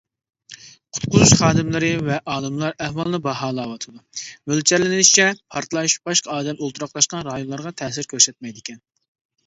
قۇتقۇزۇش خادىملىرى ۋە ئالىملار ئەھۋالنى باھالاۋاتىدۇ، مۆلچەرلىنىشىچە، پارتلاش باشقا ئادەم ئولتۇراقلاشقان رايونلارغا تەسىر كۆرسەتمەيدىكەن.